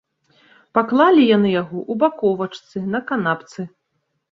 Паклалі яны яго ў баковачцы, на канапцы.